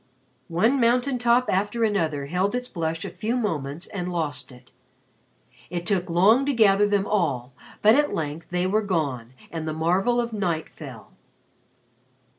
One mountain top after another held its blush a few moments and lost it. It took long to gather them all but at length they were gone and the marvel of night fell.